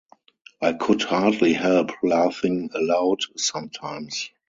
I could hardly help laughing aloud sometimes.